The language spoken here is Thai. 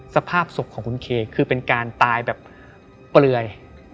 สภาพศพของคุณเคคือเป็นการตายแบบเปลือย